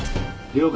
了解。